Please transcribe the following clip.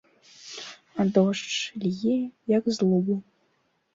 А дождж ліе, як з лубу.